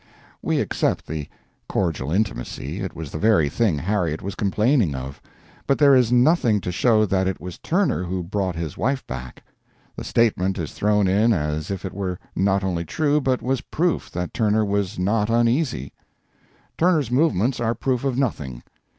We accept the "cordial intimacy" it was the very thing Harriet was complaining of but there is nothing to show that it was Turner who brought his wife back. The statement is thrown in as if it were not only true, but was proof that Turner was not uneasy. Turner's movements are proof of nothing.